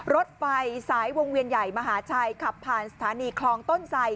รถไฟสายวงเวียนใหญ่มหาชัยขับผ่านสถานีคลองต้นไส